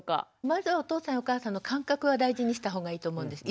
まずはお父さんやお母さんの感覚は大事にした方がいいと思うんです。